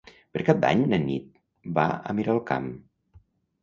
Per Cap d'Any na Nit va a Miralcamp.